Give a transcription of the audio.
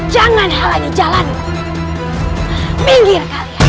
jangan halangi jalan minggir